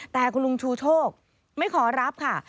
แต่คุณลุงชูโชคไม่ขอรับค่ะ